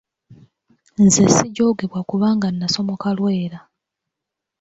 Nze sijoogebwa kubanga nnasamoka Lwera.